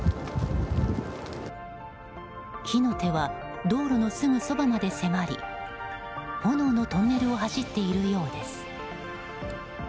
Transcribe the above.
火の手は道路のすぐそばまで迫り炎のトンネルを走っているようです。